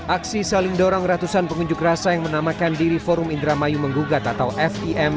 aksi saling dorong ratusan pengunjuk rasa yang menamakan diri forum indramayu menggugat atau fim